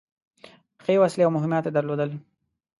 ښې وسلې او مهمات يې درلودل.